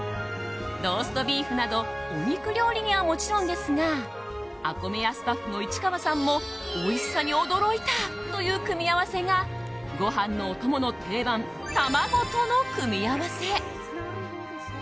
ローストビーフなどお肉料理にはもちろんですがＡＫＯＭＥＹＡスタッフの市川さんもおいしさに驚いたという組み合わせがご飯のお供の定番卵との組み合わせ。